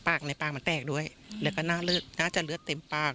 ปากในปากมันแตกด้วยแล้วก็หน้าจะเลือดเต็มปาก